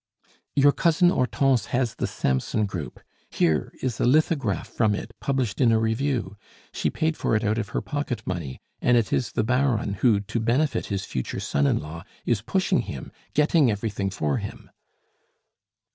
"Your Cousin Hortense has the Samson group here is a lithograph from it published in a review. She paid for it out of her pocket money, and it is the Baron who, to benefit his future son in law, is pushing him, getting everything for him."